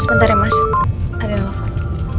sebentar ya mas ada relevan